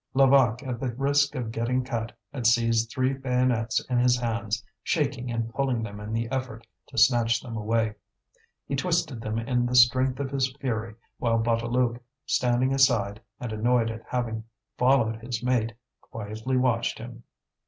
Levaque, at the risk of getting cut, had seized three bayonets in his hands, shaking and pulling them in the effort to snatch them away. He twisted them in the strength of his fury; while Bouteloup, standing aside, and annoyed at having followed his mate, quietly watched him.